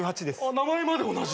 名前まで同じだ。